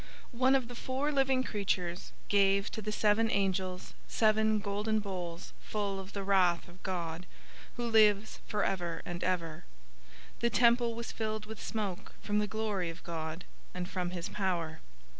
015:007 One of the four living creatures gave to the seven angels seven golden bowls full of the wrath of God, who lives forever and ever. 015:008 The temple was filled with smoke from the glory of God, and from his power.